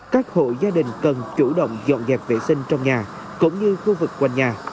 các hộ gia đình cần chủ động dọn dẹp vệ sinh trong nhà cũng như khu vực quanh nhà